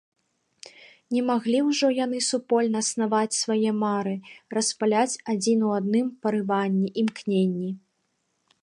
Не маглі ўжо яны супольна снаваць свае мары, распаляць адзін у адным парыванні, імкненні.